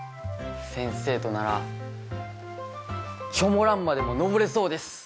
先生とならチョモランマでも登れそうです！